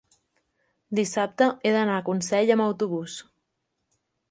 Dissabte he d'anar a Consell amb autobús.